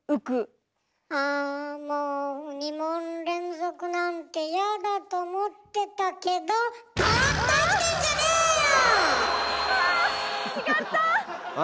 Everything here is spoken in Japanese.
あもう２問連続なんてやだと思ってたけどああ！